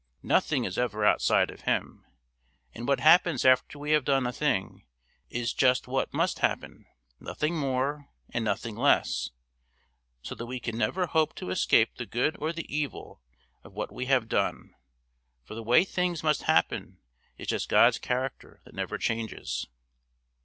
Nothing is ever outside of Him; and what happens after we have done a thing is just what must happen, nothing more and nothing less, so that we can never hope to escape the good or the evil of what we have done; for the way things must happen is just God's character that never changes.